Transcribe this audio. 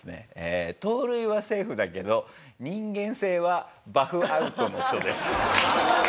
盗塁はセーフだけど人間性はＢＡＲＦＯＵＴ！の人です。